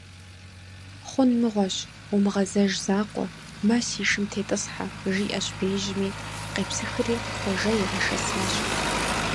Хъун мыгъуэщ, умыгъэзэж закъуэ, мэ си шым тетӀысхьэ, - жиӀэщ беижьми, къепсыхри Хъуэжэ игъэшэсащ.